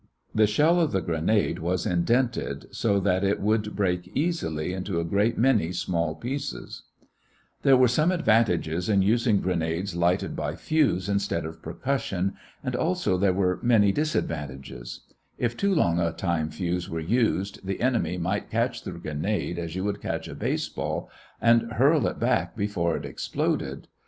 The shell of the grenade was indented so that it would break easily into a great many small pieces. [Illustration: FIG. 4. Details of the Mills hand grenade] There were some advantages in using grenades lighted by fuse instead of percussion, and also there were many disadvantages. If too long a time fuse were used, the enemy might catch the grenade, as you would a baseball and hurl it back before it exploded.